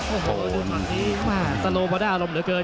โอ้โหดูขังนี้สังโรควัตหน้าอารมณ์เหลือเกิน